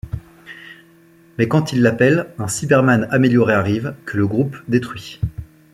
Mais quand ils l'appellent, un Cyberman amélioré arrive, que le groupe détruit.